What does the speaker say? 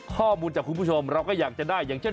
ข้อมูลจากคุณผู้ชมเราก็อยากจะได้อย่างเช่น